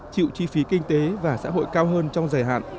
chịu chi phí kinh tế và xã hội cao hơn trong dài hạn